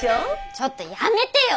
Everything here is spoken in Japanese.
ちょっとやめてよ！